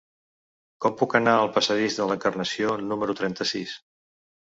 Com puc anar al passadís de l'Encarnació número trenta-sis?